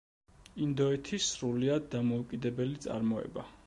ინდოეთის სრულიად დამოუკიდებელი წარმოება.